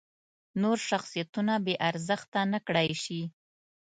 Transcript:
نور شخصیتونه بې ارزښته نکړای شي.